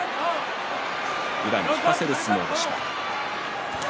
宇良に引かせる相撲でした。